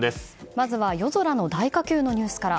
まずは夜空の大火球のニュースから。